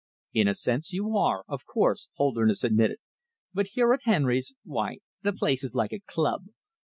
"In a sense you are, of course," Holderness admitted, "but here at Henry's why, the place is like a club.